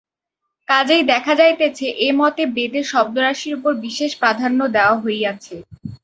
কাজেই দেখা যাইতেছে, এ মতে বেদে শব্দরাশির উপর বিশেষ প্রাধান্য দেওয়া হইয়াছে।